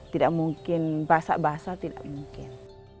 tidak mungkin basah basah tidak mungkin